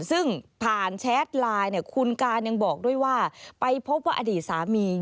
ซึ่งผ่านแชทไลน์เนี่ยคุณการยังบอกด้วยว่าไปพบว่าอดีตสามี